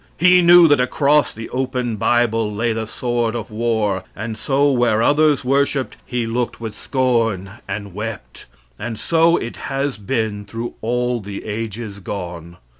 He knew that across the open Bible lay the sword of war, and so where others worshiped he looked with scorn and wept. And so it has been through all the ages gone.